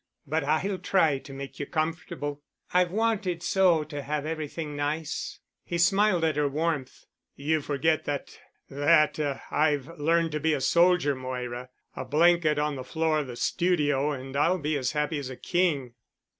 But I'll try to make you comfortable. I've wanted so to have everything nice." He smiled at her warmth. "You forget that—that I've learned to be a soldier, Moira. A blanket on the floor of the studio and I'll be as happy as a king——" "No.